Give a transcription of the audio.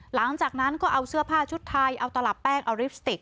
หลังจากนั้นก็เอาเสื้อผ้าชุดไทยเอาตลับแป้งเอาลิปสติก